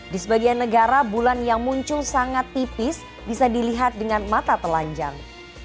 di sebagian negara bulan yang muncul sangat tipis bisa dilihat dengan mata telanjang